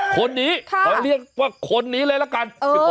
คนหนีขอเรียกว่าคนหนีเลยละกันเออ